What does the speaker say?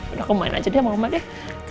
udah kemana aja dia mau mau deh